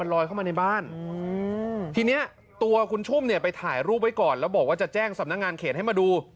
แล้วบอกว่าจะแจ้งสำนักงานเขตให้มาดู